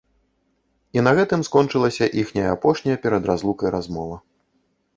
І на гэтым скончылася іхняя апошняя перад разлукай размова.